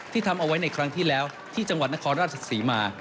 ทำเอาไว้ในครั้งที่แล้วที่จังหวัดนครราชศรีมา